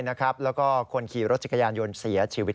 แล้วก็คนขี่รถจักรยานยนต์เสียชีวิต